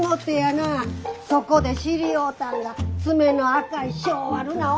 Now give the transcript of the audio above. そこで知り合うたんが爪の赤い性悪な女。